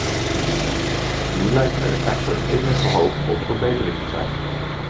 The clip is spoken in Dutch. Nu lijkt er echter enige hoop op verbetering te zijn.